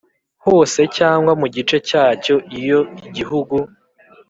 Hose cyangwa mu gice cyacyo, iyo Igihugu